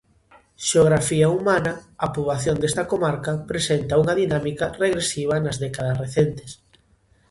Xeografía humana. A poboación desta comarca presenta unha dinámica regresiva nas décadas recentes.